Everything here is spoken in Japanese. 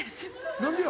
何でや？